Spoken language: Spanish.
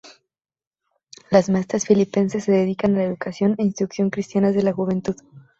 Las maestras filipenses se dedican a la educación e instrucción cristianas de la juventud.